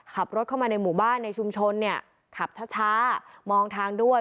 ขับรถเข้ามาในหมู่บ้านในชุมชนเนี่ยขับช้ามองทางด้วย